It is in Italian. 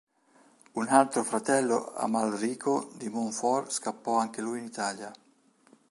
Un altro fratello Amalrico di Montfort scappò anche lui in Italia.